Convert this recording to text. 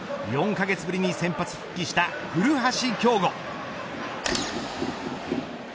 ４カ月ぶりに先発復帰した古橋亨梧。